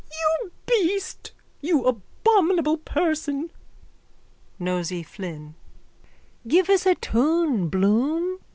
_ You beast! You abominable person! NOSEY FLYNN: Give us a tune, Bloom.